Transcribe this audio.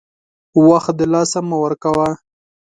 وخت دلاسه مه ورکوه !